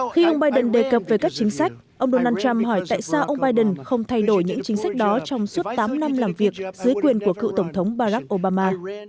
khi ông biden đề cập về các chính sách ông donald trump hỏi tại sao ông biden không thay đổi những chính sách đó trong suốt tám năm làm việc dưới quyền của cựu tổng thống barack obama